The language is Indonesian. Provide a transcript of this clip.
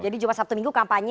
jadi jumat sabtu minggu kampanye